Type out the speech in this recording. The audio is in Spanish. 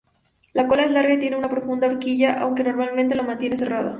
La cola es larga y tiene una profunda horquilla, aunque normalmente la mantiene cerrada.